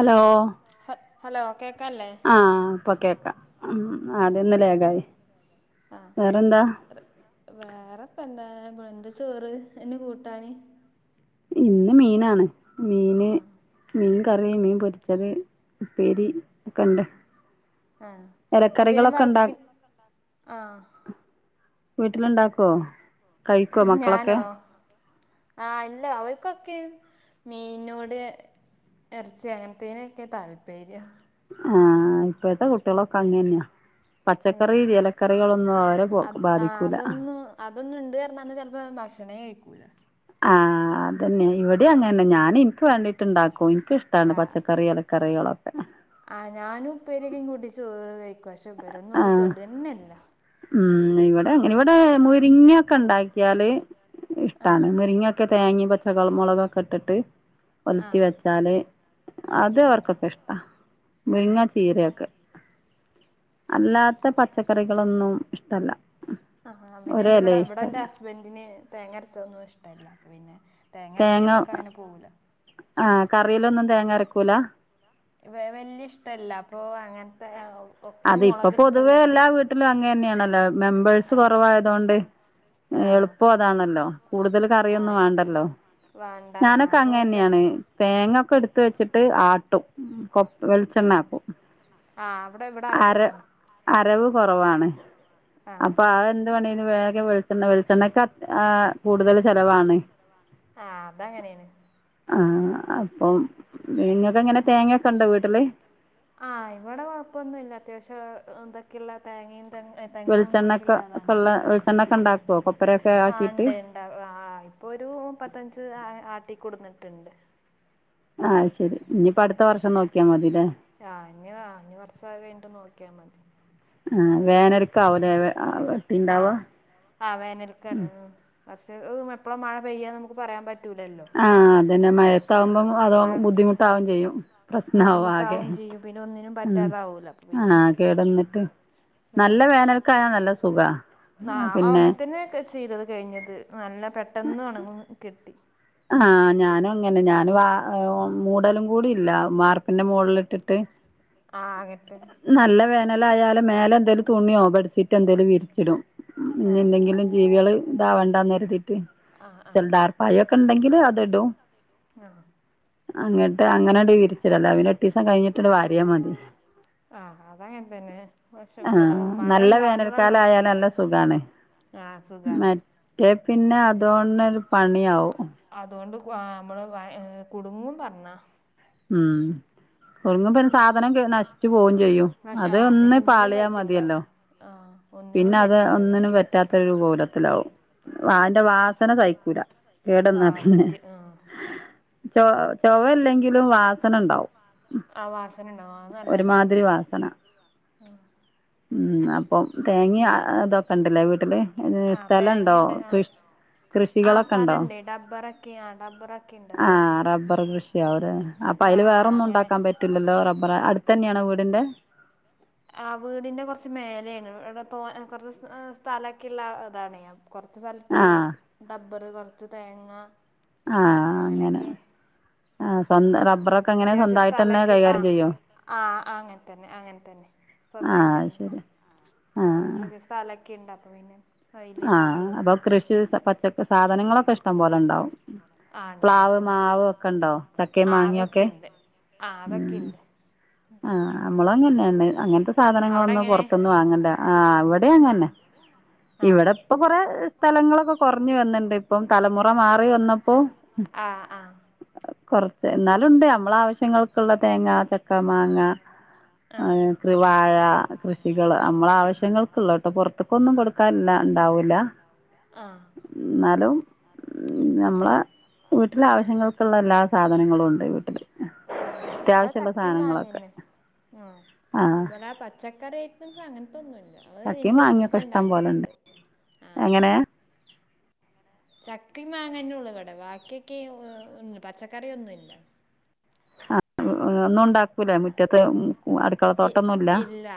Hello ഹ hello കേകാല്ലേ ഇപ്പൊ കേക്കാം മ്മ്. ആദിയൊന്ന് ലാഗായി ആ വേറെന്താ ആപ്പോ എന്താ ചോറ് ന് കൂട്ടാന് ഇന്ന് മീനാണ് മീന് മീൻ കറി മീൻ പൊരിച്ചത് ഉപ്പേരി ഒക്കെണ്ട്. ആഹ് എന്തേനും വർക്കി ആഹ് വീട്ടിലുണ്ടാക്കുവോ കഴിക്കോ മക്കളൊക്കെ ആഹ് അല്ല അവർക്കൊക്കെ മീനോട് ഇറച്ചി അങ്ങനത്തിനൊക്കെ താൽപര്യം. ആഹ് ഇപ്പോഴത്തെ കുട്ടികളൊക്കെ അങ്ങന്നെയാ. ഉം പച്ചക്കറി എലക്കറികളൊന്നും അവരെ അത് ആ ബാധിക്കൂല. അതൊന്നും അതൊന്നും ഇണ്ട് പറഞ്ഞാല് ചെലപ്പോ ഭക്ഷണേ കഴിക്കൂല അതന്നെ ഇവ്ടെ അങ്ങനന്നെ ഞാന് ഇനിക്ക് വാണ്ടിട്ട്ണ്ടാക്കും ഇനിക്കിഷ്ട്ടാണ് ആ പച്ചക്കറി എലക്കറികളൊ ആ ഞാനും ഉപ്പേരിയൊക്കെ ഇ കൂട്ടി ചോറ് കഴിക്കും പഷേ ഇവരൊന്നും ആ അത് തൊട്ന്നെല്ല ഉം ഇവിടെ അങ്ങനെ ഇവിടെ മുരിങ്ങക്കെ ഉണ്ടാക്കിയാല് ആ ഇഷ്ട്ടാണ് മുരിങ്ങ ക്കെ തേങ്ങേ പച്ചകളമുളകൊക്കെ ഇട്ടിട്ട് ആ ഒലത്തി വെച്ചാല് അത് അവർക്കൊക്കെ ഇഷ്ട്ടാ. മുരിങ്ങ ആ ചീരയൊക്കെ. അല്ലാത്ത പച്ചക്കറികളൊന്നും ഇഷ്ട്ടല്ല. ആഹ് പിന്നെ ഇന്റെ ഇവ്ടെ ഇവ്ടെന്റെ ഹസ്ബന്റിന് തേങ്ങ അരച്ചതൊന്നും ഇഷ്ട്ടാല്ല അപ്പ പിന്നെ തേങ്ങരച്ചയിമക്ക് അങ്ങനെ പോവൂല കറയിലൊന്നും തേങ്ങ അരക്കൂല വെ വെല്യ ഇഷ്ട്ടല്ല അപ്പൊ അങ്ങനത്തെ ഒക്കെ അത് ഇപ്പൊ മുളക് ഇട്ടിട്ടുള്ള പൊതുവേ എല്ലാ വീട്ടിലും അങ്ങന്നെയാണല്ലോ മെമ്പേഴ്സ് ആ കൊറവായതൊണ്ട് ആ എളുപ്പം അതാണല്ലോ കൂടുതൽ ആ കറിയൊന്നും വെണ്ടല്ലോ വേണ്ട ആ ഞാനൊക്കെ അപ്പോൾ തേ അങ്ങെന്നെയാണ് തേങ്ങ ക്കേ എടുത്ത് വെച്ചിട്ട് ആട്ടും. കൊ ആ വെളിച്ചണ്ണ ആക്കും. ആ അവിടെ ഇവിടെ അര ആട്ടും ആ അരവ് കൊറവാണ്. ആ അപ്പൊ അ എന്ത് വേണെ വേഗം വെളിച്ചണ്ണ വെളിച്ചണ്ണക്കെ കൂടുതല് ചെലവാണെ ആഹ് അത് അങ്ങനെയാണ് ആ അപ്പം നിങ്ങക്ക് എങ്ങനെ തേങ്ങ ആഹ് ഇവ്ടെ കൊഴപ്പൊന്നുല്ല അത്യാവശ്യ ഇതൊക്കെള്ള തേങ്ങേ വെളിച്ചണ്ണക്കെ കൊള്ള വെളിച്ചണ്ണ ഒക്കെ ഉണ്ടാക്കുവോ കൊപ്രൊക്കെ ആക്കിട്ട് ഇപ്പൊ ഒരു പത്തഞ്ച് ആട്ടിക്കോട്ന്നിട്ട്ണ്ട് ആ ശെ ആ ഇനിവ ഇനി നാൾ കഴിഞ്ഞിട്ട് നോക്കിയാ മതി ആ വേനൽക്കാവ് ലേ ആ വെട്ടിണ്ടാവ പറച്ച് അത എപ്പോഴ മഴ പെയ്യാന്ന് നമുക്ക് പറയാൻ പറ്റ് ആ അതന്നെ മയത്താവുമ്പോം അതോ മഴ ബുദ്ധിമുട്ടാവവേം ചെയ്യും. പ്രശ്ന ആവ ആകെ ബുദ്ധിമുട്ടാവും പിന്നെ ഒന്നിനും ഉം പറ്റാതാവൂല പിന്നെ ആഹ് കേടന്നിട്ട് നല്ല ആ വേനൽക്കായാ നല്ല സുഖ [unintelligible] അങ്ങനെ തന്നെ ചെയ്തത് കഴിഞ്ഞത് നല്ല പെട്ടന്ന് ഉണങ്ങും കിട്ടി. ആ ഞാനും അങ്ങനെ ഞാനും മൂടലും കൂടി ഇല്ല വാർപ്പിന്റെ മോളിൽ ഇട്ടിട്ട് അകത്ത് നൽ ആയാലലും മേലെ എന്തേലും തുണിയോ ബെഡ്ഷീറ്റ് എന്തേലും വിരിച്ചിടും ആ ഇനി എന്തെങ്കിലും ജീവികള് ഇതാവേണ്ടന്ന് കരുതിയിട്ട്. ആ ആ ചില ദാർപ്പായൊക്കെ ഉണ്ടെങ്കിൽ അ [unintelligible] ആ അങ്ങട്ട് അങ്ങനെ [unintelligible] എട്ടീസം കഴിഞ്ഞിട്ട് വാരിയ മതി [unintelligible] ആ അതങ്ങനെ തന്നെ പക്ഷെ ആ വെ- മഴ നല്ല ഉണ്ടാകുമ്പോഴാണ് വേനൽക്കാലം ആയാല് നമുക്ക് നല്ല സുഖാണ്. ആ സുഖാണ്. മറ്റേ പിന്നെ അതുകൊണ്ടൊരു പണിയാവും. അതുകൊണ്ട് ക്വാ നമ്മള് വ കുടുങ്ങും പറഞ്ഞാ ഇം [unintelligible] സാധനം കേ നശിച്ചു പോകേം ചെയ്യും. പക്ഷെ അത് ആ പിന്നെ ഒന്ന് ഒന്നിനും പാളിയാ പറ്റൂല മതിയല്ലോ. ആ ഒന്നിനും പിന്നത് പറ്റില്ല പിന്നെ ഒന്നിനും പറ്റാത്തൊരു കോലത്തിലാവും. വതിന്റെ വാസന സയ്ക്കൂല കേട് ആ വന്നാ പിന്നെ പറ്റി ആ ചൊ ചൊവയില്ലെങ്കിലും വാസന ഇണ്ടാവും. ആഹ് വാസന ഇണ്ടാവും ആഹ് [inaudible] ഇം അപ്പം തേങ്ങേം അഹ് ഇതൊക്കെ ഇണ്ടല്ലേ വീട്ടില് ഏഹ് സ്ഥലെണ്ടോ കൃ ആഹ് സ്ഥലിണ്ടേ ഡബ്ബറെക്കെയാ ആഹ് ഡബ്ബറെക്കിണ്ട് അപ്പൊ [unintelligible] അവര് അപ്പൊ ആ അതില് ആ വേറൊന്നും അങ്ങനെ ഇണ്ടാക്കാൻ പറ്റില്ലല്ലോ റബ്ബറാ അടുത്തന്നെയാണ് വീടിന്റെ ആഹ് വീടിന്റെ കുറച്ച് മേലയാണ് ഇവിടെ തോ കൊറച്ച് സ് സ്ഥലെ‌ക്കിള്ള ഇതാണേ കൊറച്ച് സ്ഥലത്ത് ആഹ് ഡബ്ബറ് കൊറച്ച് തേങ്ങ ആഹ് അങ്ങനെ അങ്ങനേക്കെ ആഹ് സ്വന്തം റ അത്യാവശ്യം സ്ഥല‌ക്കി ആഹ് ആഹ് അങ്ങനെ തന്നെ അങ്ങനെ തന്നെ. ആഹ് അത് സ്വന്തവായിട്ടന്നെ ശരി ആഹ് ഒരു ചെറിയ സ്ഥലക്കിണ്ട് അപ്പൊ പിന്നെ അതില് ആഹ് ഉള്ളത് അപ്പ കൃഷി പച്ചക്ക സാധനങ്ങളൊക്കെ ഇഷ്ടം പോലെ ഇണ്ടാവും. ആ ഇണ്ട് ഇണ്ട് പ്ലാവ്, മാവ് ഒക്കെ എണ്ടോ ചക്കേം മാങ്ങയൊ സിണ്ട് ആഹ് അതൊക്കെയിണ്ട് ആഹ് അമ്മളു അങ്ങനെന്നേ അങ്ങനത്തെ സാധനങ്ങളൊന്നും അങ്ങനെന്നെ എന്തെങ്കിലൊക്കെ പൊറത്ത്ന്ന് വാങ്ങണ്ട ആഹ് ഇവിടെ അങ്ങനെന്നേ ഇവടെ അങ്ങന്നെ ഇപ്പൊ കൊറേ സ്ഥലങ്ങളൊ ക്കെ കൊറ്ഞ്ഞ് വന്ന്ണ്ട് ഇപ്പം തലമുറ മാറി വന്നപ്പോ ഉം ആഹ് കൊറ ഏഹ് എന്നാലുണ്ട് നമ്മളാവശ്യങ്ങൾക്ക്ള്ള തേങ്ങ, ചക്ക, മാങ്ങ [unintelligible] വാഴ കൃഷികള് അമ്മളാവശ്യങ്ങൾക്ക്ള്ളേട്ടോ പൊറ്ത്ത്ക്കൊന്നും കൊടുക്കാന്ല്ലാ ഇണ്ടാവൂല്ല ആഹ് ന്നാലും ഉം നമ്മളെ വീട്ടിലെ ആവശ്യങ്ങൾക്ക്ള്ള എല്ലാ സാധനങ്ങളു ഉണ്ട് വീട്ടില് അത്യാവശ്യള്ളഹ് ക്കിമ്മാങ്ങന്നെ ആഹ് ആഹ് ഇവടാ പച്ചക്കറി ഐറ്റംസ് അങ്ങത്തൊന്നു ചക്കിം മാങ്ങിയൊക്കെ ഇഷ്ടം പോലെണ്ട് ആഹ് എങ്ങനെ ചക്കിം മാങ്ങന്നെ ഉള്ളു ഇവടെ ബാക്കിയൊക്ക്യേ [unintelligible] പച്ചക്കറിയൊന്നുല്ല ആഹ് ഒ ഒന്നും ഉണ്ടാക്കൂലെ മുറ്റത്ത് മു അടുക്കള ഇ തോട്ടൊന്നുല്ല ഇല്ല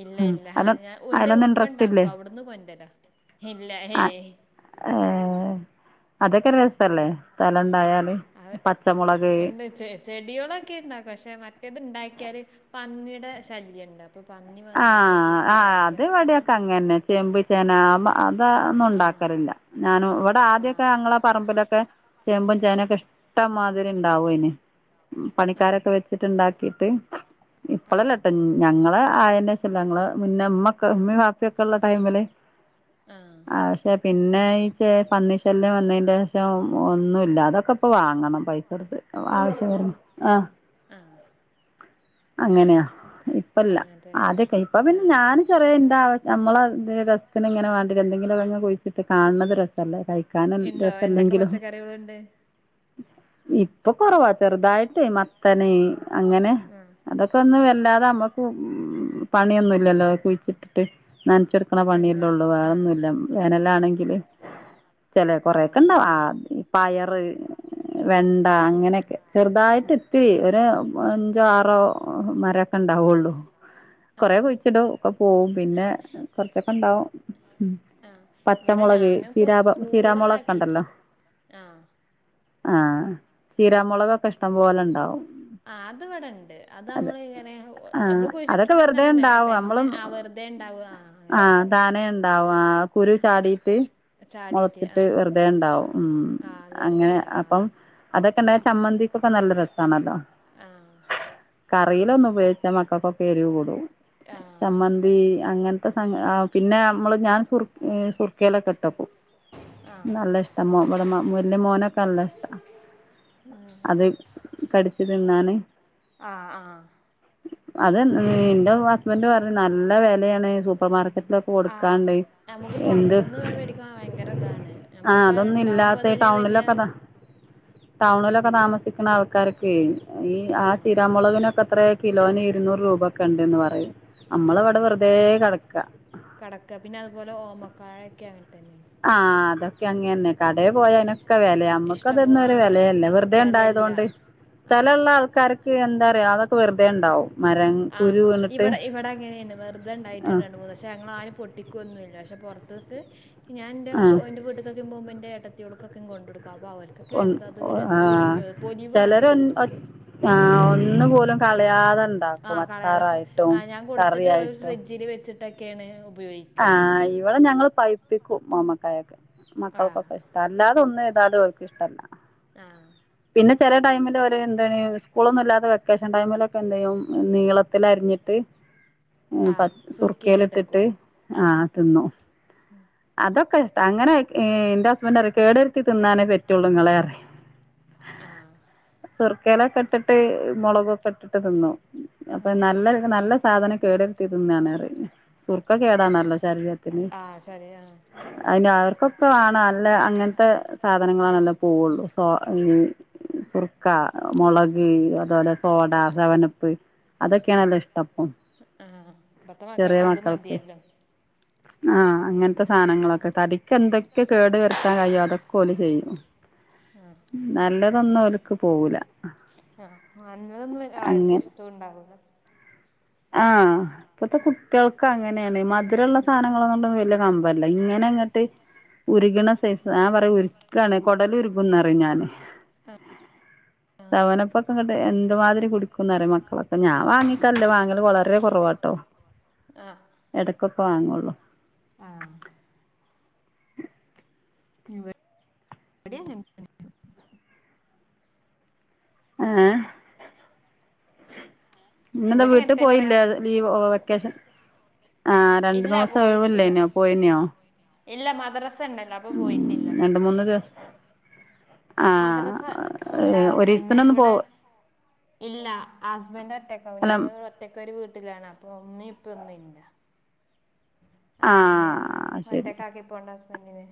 ഇല്ല ഇല്ലാ ഹാ ഞാ ഉന്റെ ഉപ്പ ഇൻട്രസ്റ്റ് ഇണ്ടാക്കു ഇല്ലേ അവുട്ന്ന് കൊന്റെര ഹില്ല ഹേ ഏഹ് അതൊക്കെര് രസല്ലേ സ്ഥലണ്ടായാല് പച്ചമുളക് ചെടികളൊക്കെണ്ടാക്കാ പക്ഷെ മറ്റെത് ഇണ്ടാക്കിയാല് പന്നിടെ ശല്യണ്ടാ ആഹ് ആഹ് അത് ഇവടെക്കെ അങ്ങന്നെ ചേമ്പ്, ചേന അമ്മാ അ പ്പഹ് ഒന്നും ആ ഇണ്ടാക്കലില്ല ഞാനും ഇവടെ ആ ആ ആദ്യൊക്കെ ഞങ്ങളെ പറമ്പിലെ ക്കെ ചേമ്പും ചേനൊക്കെ ഇഷ്ടമാതിരി ഇണ്ടാവോനി ഉം പണിക്കാരെക്കെ വെച്ചിട്ട്ണ്ടാ ക്കീട്ട് ആ ഇപ്പളല്ലട്ടൊ ഞങ്ങള് ആയേ ന്റെഷല്ലാ ഞങ്ങളെ മുന്നേ ഇമ്മക്കെ ഇമ്മിം പാപ്പിയൊക്കെള്ള ടൈമില് ആഹ് ആ പക്ഷെ പിന്നെ ഈ ചേ പന്നിശല്യം വന്നേന്റേഷം ഒന്നുല്ല അതൊക്ക പ്പം വാങ്ങണം പൈസൊട്ത്ത് ആവശ്യ വരും ആഹ് ആഹ് അങ്ങനെയാ ഇപ്പല്ല. അങ്ങനെ തന്നെ ആദ്യക്കെ ഇപ്പ ആ പിന്നെ ഞാന് ചെറിയ ഇന്റെ ആവ നമ്മള തെ രസത്തിന് ഇങ്ങന വാണ്ടിഎന്തെങ്കിലുങ്ങനെ കുഴി കാൺണത് രസല്ലേ. കഴിക്കാനും ഉണ്ടോ എന്തൊക്കെ രസല്ലെങ്കിലും പച്ചക്കറികളുണ്ട് ഇ ഇപ്പ കൊറവാ ചെറുതായിട്ട് മത്തന്, അങ്ങനെ ആഹ് അതൊക്കെ ഒന്നു ആഹ് വല്ലാതെ നമ്മക്ക് ഉം മ് പണിയൊന്നുല്ലല്ലോ കുഴിച്ചിട്ടിട്ട്. നനച്ചെടുക്കണ എന്ന പണിയല്ലേയുള്ളൂ, ആഹ് വേറെന്നുമല്ല അ വേനലാണെങ്കില്. ചില ആഹ് കൊറൊക്കെ ഇണ്ടാവ ആ അതങ്ങനെയാണ് പയറ് വെണ്ട, അങ്ങനെയൊക്കെ ചെറുതായിട്ട് ഒരു അഞ്ചോ ആറോ മരൊക്കെ ഉണ്ടാവുള്ളൂ. കൊറെ ആഹ് കുഴിച്ചിടും ഒക്കെ പോവും പിന്നെ കൊറച്ചൊക്കെ ഉണ്ടാവും. ആഹ് ഇവിടെ പച്ചമുളക് ഞാനിപ്പോ ചീരാ, ചീരാമുളക് ഒക്കെണ്ടല്ലോ? പൂളതാക്കിയിട്ടുണ്ട് ആഹ് ആഹ്, ചീരാമുളകൊക്കെ ഇഷ്ടം പോലെ ഉണ്ടാവും. ആ അത് ഇവിടെണ്ട് അത് അതെ നമ്മള് ഇങ്ങനെ മ്മ് ആഹ് നമ്മള് കുഴിച്ചിട്ട അതൊക്കെ വെറുതെ ഉണ്ടാവും നമ്മള ആ അങ്ങനെ തന്നെ താനെ ണ്ടാവും. ആ കുരു ചാടീട്ട് ചാടിയിട്ട് മുളച്ചിട്ട് ആഹ് വെറുതെ ഉണ്ടാവും. ആഹ് അത് ആ വെറുതെ അങ്ങനെ ഉണ്ടാവും അപ്പം അതൊക്കെണ്ടായ ചമ്മന്തിക്കൊക്കെ നല്ല രസാണല്ലോ. ആഹ് കറിയിലൊന്ന് ഉപയോഗിച്ച മക്കൾക്കൊ എരുവ് ചൂടും. ആഹ് ചമ്മന്തി അങ്ങനത്തെ സാ പിന്നെ നമ്മള് ഞാൻ സുർ സുർ മുക്കലൊക്കെ ഇട്ടക്കും ആഹ് നല്ല ആഹ് ഇഷ്ട്ട ഇവിടെ വലിയ മോനൊക്കെ നല്ല ഇഷ്ട. ഉം അത് കടിച് തിന്നാൻ. ആഹ ആഹ അത് നിന്റെ ഹസ്ബൻഡ് പറഞ്ഞു നല്ല വിലയാണ് സൂപ്പർ മാർക്കറ്റ് ആ് നമുക്ക് പുറത്തുന്ന് മേടിക്ക ഭയങ്കര ഇതാണ് ആ നമ്മുക്ക് അതൊന്നും ഉണ്ടാവുമ്പോ അത് ഇല്ലാത്ത ടൗണിലൊക്കെ ത! ടൗണിലൊക്കെ ഇതില്ല താമസിക്കുന്ന ആൾക്കാരൊക്കെ ഈ ആ ആഹ് ചീരാമുളകിനൊക്കെ നത്ര കിലോന് ഇരുന്നൂറ് രൂപ ഒക്കെ ഉണ്ടന്ന് പറയും. ആ നമ്മളിവിടെ വെറുതെ കിടക്ക കടക്ക പിന്നെ അതുപോലെ ഓമക്കാഴ ഒക്കെ അ ആഹ് അതൊക്കെ അങ്ങനന്നെ കട പോയ നെ വില നമ്മുക്ക ഇഷ്ടം പോ അതൊന്നും ആ ഒരു വിലയല്ല വെറുതെ വെലല്ല ഉണ്ടായതുകൊണ്ട് സ്ഥല ആഹ് ഉള്ള ആൾക്കാർക്ക് എന്താ അതൊക്കെ വെറുതെ ഉണ്ടാവും. മരം ആ് കുരു വീണിട്ട് ഇവിടെ ഇവിടെ അങ്ങനെയുണ്ട് വെറുതെ ആ ഉണ്ടായിട്ടുണ്ട് രണ്ട് മൂന്ന് പക്ഷെ ഞങ്ങ ആരും പൊട്ടിക്കൊന്നുല്ല. പക്ഷെ പുറത്ക്ക് ഞാ എൻ്റെ ആ എ് വീട്ടക്കൊക്കെ പോകുമ്പ എന്റെ ഏടത്തേൾകൊക്കൊ കൊണ്ട് കൊടുക്കും. അപ്പോ അവർക്കൊക്കെ ഒന്ന് എന്താ അത് ഒ ആ എന്ത് കിട്ട ചിലര പൊലിവാണത് കിട്ടുമ്പോ ആ ഒന്ന് പോലും കളയാത ആഹ കളയാതെ ആ ഞാൻ കൊടുത്തിട്ട് ഒരു ഫ്രിഡ്ജില് വെച്ചിട്ടൊക്കെയാണ് ഉപയോഗിക്കുക ആഹ് ഇവടെ ഞങ്ങൾ പൈപ്പിക്കും ഓമക്കായൊക്കെ ആഹ് മക്കൾക്കൊക്കെ ഇഷ്ട അല്ലാതെ ഒന്നും അത ല്ലാതെ ഓൽക് ഇഷ്ടല്ല ആഹ പിന്നെ ചില ടൈമിൽ ഓൽ എന്താണ് സ്കൂളൊന്നും ഇല്ലാത്ത വെക്കേഷൻ ടൈമിലൊക്കെ എന്ത യ്യും നീളത്തിൽ അരിഞ്ഞിട്ട് മ് പ ആഹ് സുർക്കൽ ഇട്ടിട്ട് സുർക്കയിലിട്ടക്കും ആഹ് ആഹ തിന്നും അതൊക്കെ ഇഷ്ട അങ്ങനെ എന്റെ ഹസ്ബൻഡ് അറിയ കേടരുത്തി തിന്നാനേ പറ്റുള്ളു നിങ്ങളെ അറിയ [inaudible] ആഹ് സുർക്കേലൊക്കട്ടിട്ട് മൊളകൊക്കട്ടിട്ട് ത് ന്നും. അപ്പം ആഹ് ന്നല്ല ത് ന് നല്ല സാധനം കേടര്ത്തി തിന്നാണ് അറിം സുർ ആഹ് കേടാണല്ലോ ശരീരത്തിന്. ആഹ് ശരി ആഹ് അയ്ന് അവർക്കൊക്കെ മാണം അല്ല അങ്ങൻത്ത സാധനങ്ങളാണല്ലൊ പോഉള്ളു സോ മ് ആഹ് [inaudible] സുർക്ക, മൊളക് അതോലെ സോഡ, സവനപ്പ് അതൊക്കേണല്ലോ ഇഷ്ട പ്പം ഇപ്പത്ത മക്കൾക്ക് അതു മതി എല്ലോ ആ അങ്ങൻത്ത സാനങ്ങളൊക്കെ തടിക്ക് എന്തൊക്കെ കേട് വരുത്താം കഴിയോ അതൊക്കെ ഓല് ചെയ്യും. ആഹ് ന്നല്ലതൊന്നും ഓൽക്ക് പോഊല. അ ന്നല്ലതൊന്നും ആര്ക്കും ഇഷ്ടും ണ്ടാഊല. ആ പ്പത്ത കുട്ടിഅൾക്ക് അങ്ങനെണ് മധ് രള്ള. സാനങ്ങളോണ്ടൊന്നും വല്ല്യ കമ്പല്ല ഇങ്ങനെ ങ്ങട്ട് ഉരുക്ണ സൈസ് ആ പറിം ഉര് കാണ് കൊടലുരുകും ന്ന് അറിം ഞാന് സവനപ്പൊക്കെ ങ്ങട്ട് എ ന്തുമാതിരി കുടിക്കും ന്ന് അറിയോ മക്കളൊക്കെ ഞാ വാങ്ങിക്കാറില്ല വാങ് വളരെ കൊറവാട്ടോ എടക്കൊക്കെ വാങ്ങുഒള്ളു ആ ബടിം അങ്ങനെ തന്നെ ഏഹ് ഇന്നെന്താ ഇവിടെ വീട്ട് അങ്ങനത്തെ പോയില്ലേ പറയാ അത് ലീവോ വെക്കേഷൻ ആ രണ്ട് ഇല്ല ദൊവസം പോയിട്ടില്ല ഒഴിവല്ലേനിയോ പോയിനിയോ ഇല്ല മദ്റസ് മ് രണ്ട് മൂന്ന് ദിവസ് മദ്റസ ഉണ്ടാവും ഒരു പിന്നെ ദിവസത്തിനൊന്നും പോ വിടെ ഇല്ല ഹസ്ബൻ്റ് ഒറ്റക്കാവും അല്ല ഞങ്ങള് ഒറ്റക്ക് ഒര് വ് ട്ടിലാണ് അപ്പൊ ഉമ്മിം ഇപ്പിം ഒന്നു ഇല്ല അപ്പം പിന്നെ ആഹ് ശരി ഒറ്റക്കാക്കി പോണ്ട ഹസ്ബൻ്റിനെ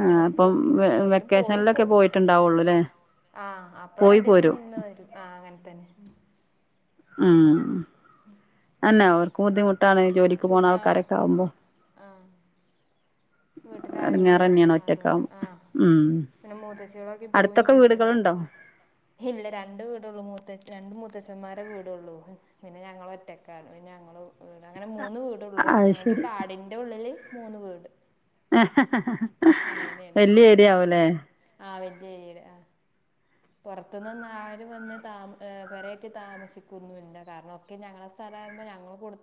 ആ അപ്പം വെ പോയി പോ വെക്കേഷൻലൊക്കെ പോയിട്ട്ണ്ടാവൊള്ളു ലേ ആ അപ്പൊ രണ്ടീസം നിന്ന് ഓരും ആ അങ്ങൻ തന്നെ ആ [unintelligible] അന്നെ അവർക്കും ബുദ്ധിമുട്ടാണ് ജോലിക്ക് പോണ ബുദ്ധ ആ ആൾക്കാരൊക്ക ആഉമ്പോ വീട്ടില് ആരും ല്ല അതോണ്ട ആ ഉം പിന്നെ മൂത്തച്ചിളൊക്കെ പോവും അടുത്തൊക്കെ ചെയ്യും പിന്നെ വീടുകളുണ്ടോ ഇല്ല രണ്ട് വീടൊള്ളൂ മൂത്തച് രണ്ട് മൂ ത്തച്ഛന്മാരെ വീടൊള്ളൂ പിന്നെ ഞങ്ങള് ഒറ്റക്കാണ് പിന്നെ ഞങ്ങളും വീട് അങ്ങനെ മൂന്ന് വീടൊള്ളൂ അത് ഞങ്ങട് ശരി കാടിന്റ ഉള്ളില് മൂന്ന് വീട് വെല്ല്യ ഏരിയ ആവുലേ ന്നേര് ആ പോർത്ത്ന്നൊന്നും ആരും വെന്ന് താമ് പെരഏറ്റി താമസിക്കുന്നു ഇല്ല കാരണം ഒക്കെ ഞങ്ങളെ സ്ഥല- യിര്ന്നു ഞങ്ങള് കൊട്